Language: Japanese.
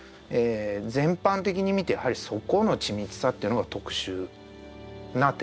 全般的に見てやはりそこの緻密さというのが特殊な点だと思います。